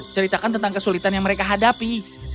ceritakan tentang kesulitan yang mereka hadapi